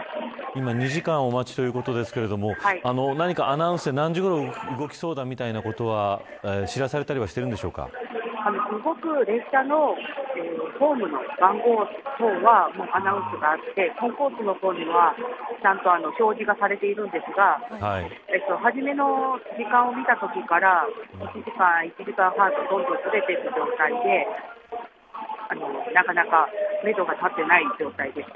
今２時間お待ちということですが何かアナウンスで何時ごろ動きそうだみたいなことは知らされたりは動く列車のホームの番号はアナウンスがあってコンコースの方には表示がされているんですがはじめの時間を見たときから１時間、１時間半とどんどんずれていく状態でなかなか、めどが立っていない状態です。